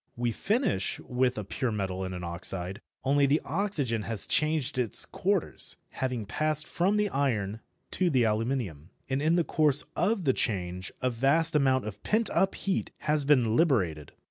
We finish with a pure metal and an oxide, only the oxygen has changed its quarters, having passed from the iron to the aluminium. And in the course of the change a vast amount of pent up heat has been liberated.